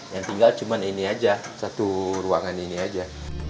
yang tinggal cuma ini aja satu ruangan ini aja